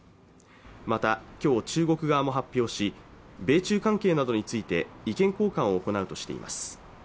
またきょう中国側も発表し米中関係などについて意見交換を行うとしています